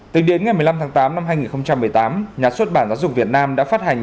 tính đến ngày một mươi năm tháng tám năm hai nghìn một mươi tám nhà xuất bản giáo dục việt nam đã phát hành